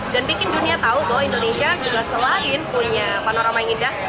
dan bikin dunia tahu bahwa indonesia juga selain punya panorama yang indah